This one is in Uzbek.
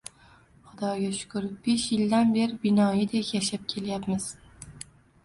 Xudoga shukur, besh yildan beri binoyidek yashab kelyapmiz